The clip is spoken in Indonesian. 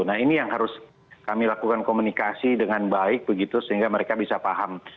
nah ini yang harus kami lakukan komunikasi dengan baik begitu sehingga mereka bisa paham